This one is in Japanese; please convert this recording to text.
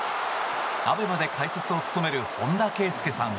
ＡＢＥＭＡで解説を務める本田圭佑さんは。